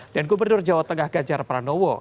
gubernur jawa tengah ganjar pranowo